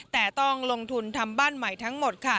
แต่ต้องลงทุนทำบ้านใหม่ทั้งหมดค่ะ